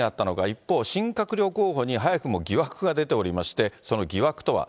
一方、新閣僚候補に早くも疑惑が出ておりまして、その疑惑とは。